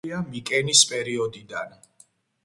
ცნობილია მიკენის პერიოდიდან.